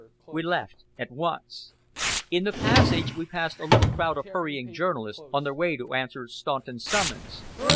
We left at once. In the passage we passed a little crowd of hurrying journalists on their way to answer Staunton's summons.